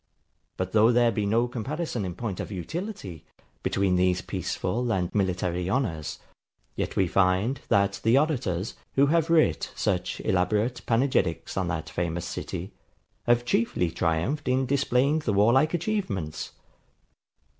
But though there be no comparison in point of utility, between these peaceful and military honours; yet we find, that the orators, who have writ such elaborate panegyrics on that famous city, have chiefly triumphed in displaying the warlike achievements.